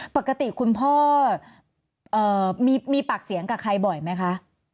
ปกติคุณพ่อมีปากเสียงกับใครบ่อยมั้ยคะ